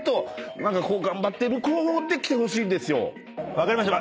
分かりました。